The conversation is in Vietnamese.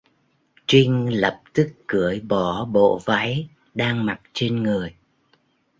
Trinh lập tức cởi bỏ bộ váy đang mặc trên người